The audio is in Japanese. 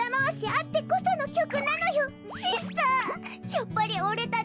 やっぱりおれたち。